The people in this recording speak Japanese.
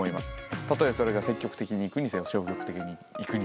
たとえそれが積極的にいくにせよ消極的にいくにせよね。